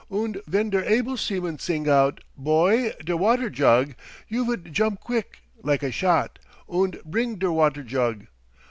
Und ven der able seaman sing out, 'Boy, der water jug!' you vood jump quick, like a shot, und bring der water jug.